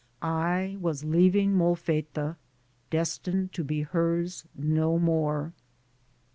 I was leaving Mol fetta destined to be hers no more!